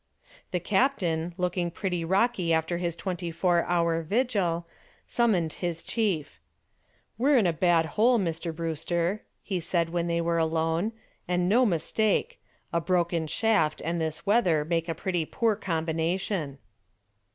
The captain, looking pretty rocky after his twenty four hour vigil, summoned his chief. "We're in a bad hole, Mr. Brewster," he said when they were alone, "and no mistake. A broken shaft and this weather make a pretty poor combination."